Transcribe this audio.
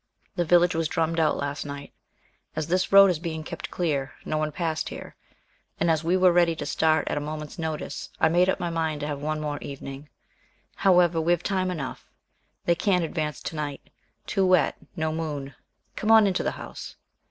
The village was drummed out last night. As this road is being kept clear, no one passed here, and as we were ready to start at a moment's notice, I made up my mind to have one more evening. However, we've time enough. They can't advance to night. Too wet. No moon. Come on into the house."